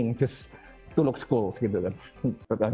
hanya untuk terlihat keren